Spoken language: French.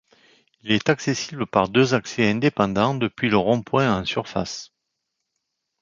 Il est accessible par deux accès indépendants depuis le rond-point en surface.